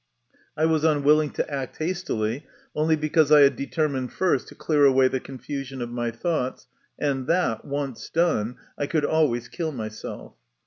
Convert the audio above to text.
I was unwilling to act hastily, only because I had determined first to clear away the confusion of my thoughts, and, that once done, I could always kill myself.